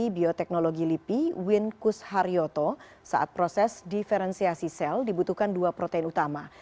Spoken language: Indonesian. bioteknologi lipi win kus haryoto saat proses diferensiasi sel dibutuhkan dua protein utama